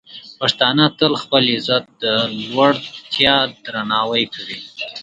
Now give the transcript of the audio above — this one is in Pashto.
پښتانه تل خپل عزت ته د لوړتیا درناوی کوي.